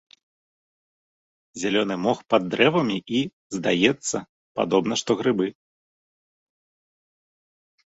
Зялёны мох пад дрэвамі і, здаецца, падобна што грыбы.